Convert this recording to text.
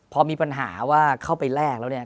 พอมีปัญหาว่าเข้าไปแลกแล้วเนี่ย